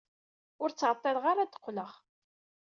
Ur ttɛeṭṭileɣ ara ad d-qqleɣ.